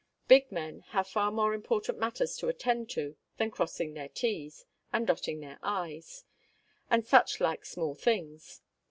Big men have more important matters to attend to than crossing their t's , and dotting their i's , and such like small things.